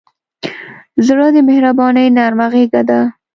زړه د مهربانۍ نرمه غېږه ده.